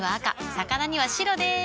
魚には白でーす。